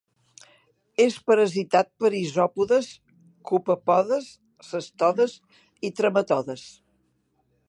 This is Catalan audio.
És parasitat per isòpodes, copèpodes, cestodes i trematodes.